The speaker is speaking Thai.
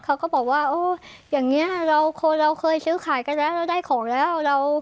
เขาก็บอกว่าโอ้อย่างนี้เราเคยซื้อขายกันแล้วเราได้ของแล้ว